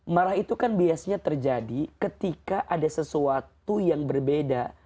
marah itu kan biasanya terjadi ketika ada sesuatu yang berbeda